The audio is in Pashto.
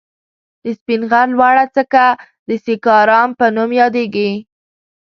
د سپين غر لوړه څکه د سيکارام په نوم ياديږي.